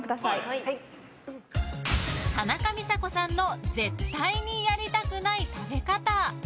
田中美佐子さんの絶対にやりたくない食べ方！